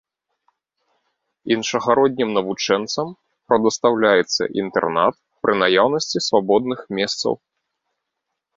Іншагароднім навучэнцам прадастаўляецца інтэрнат пры наяўнасці свабодных месцаў.